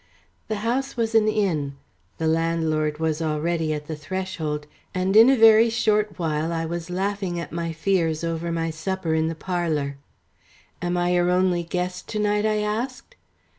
The house was an inn; the landlord was already at the threshold, and in a very short while I was laughing at my fears over my supper in the parlour. "Am I your only guest to night?" I asked.